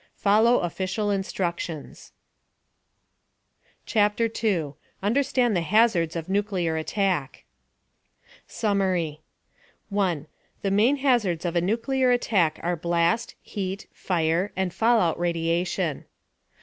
* FOLLOW OFFICIAL INSTRUCTIONS CHAPTER 2 UNDERSTAND THE HAZARDS OF NUCLEAR ATTACK SUMMARY 1. The main hazards of a nuclear attack are blast, heat, fire, and fallout radiation.